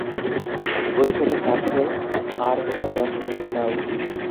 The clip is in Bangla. ঐ ছোট পার্সেল আর তোমার দস্তানাটা দাও।